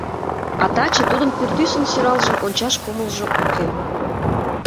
а таче тудын пӱртӱсын сӧралжым ончаш кумылжо уке.